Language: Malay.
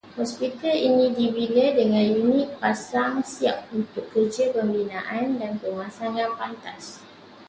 Hospital ini dibina dengan unit pasang siap untuk kerja pembinaan dan pemasangan pantas